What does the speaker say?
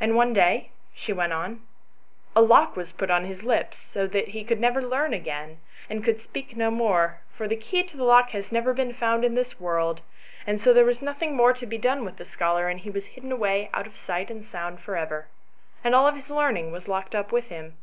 "And one day," she went on, "a lock was put upon his lips, and he could never learn again, and could speak no more, for the key to the lock has never been found in this world ; and so there was nothing more to be done with the scholar, and he was hidden away out of sight and sound for ever, and all his learning was locked up with him."